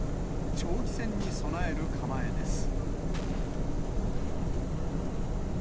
長期戦に備える構えです。